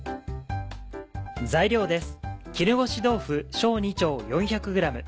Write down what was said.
材料です。